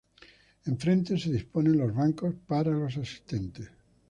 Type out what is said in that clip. Enfrente se disponen las bancos para los asistentes.